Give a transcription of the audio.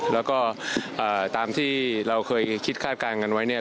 แล้วก็ตามที่เราเคยคิดคาดการณ์กันไว้เนี่ย